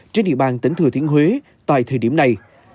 trên địa bàn tỉnh thừa thiên huế tại thời điểm này